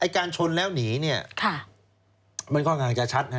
การชนแล้วหนีมันก็กลางจะชัด